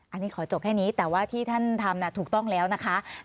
อันนี้ขอจบแค่นี้แต่ว่าที่ท่านทำถูกต้องแล้วนะคะ